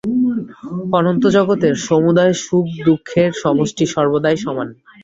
অনন্ত জগতের সমুদয় সুখদুঃখের সমষ্টি সর্বদাই সমান।